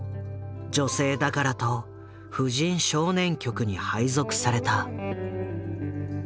「女性だから」と婦人少年局に配属された。